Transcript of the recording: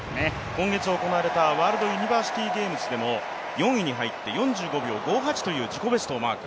今月行われたワールドユニバーシティゲームズでも４位に入って４５秒５８という自己ベストをマーク。